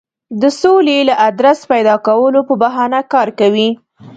د سولې د آدرس پیدا کولو په بهانه کار کوي.